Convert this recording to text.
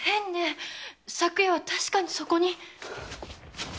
昨夜は確かにそこに。